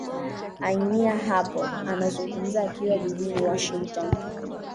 ania hapo anazungumuza akiwa jijini washington